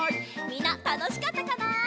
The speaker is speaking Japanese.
みんなたのしかったかな？